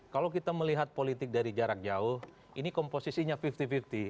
kalau kita melihat politik dari jarak jauh ini komposisinya fifty fifty